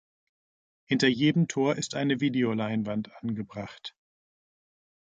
Hinter jedem Tor ist eine Videoleinwand angebracht.